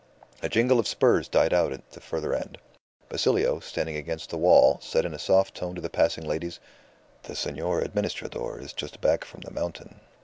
A jingle of spurs died out at the further end. Basilio, standing aside against the wall, said in a soft tone to the passing ladies, "The Senor Administrador is just back from the mountain."